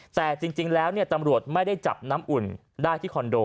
แต่จริงแล้วตำรวจไม่ได้จับน้ำอุ่นได้ที่คอนโด